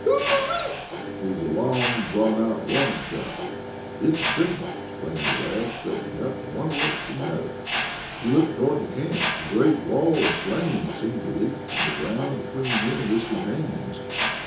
"W h o o e e!" It was a long drawn, warning shout. "It's a signal!" exclaimed the lad, straightening up. "I wonder what's the matter?" As he looked toward the camp a great wall of flame seemed to leap from the ground between him and his companions.